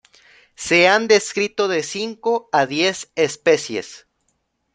Se han descrito de cinco a diez especies.